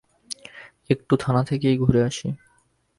একটু থানা থেকেই ঘুরে আসি।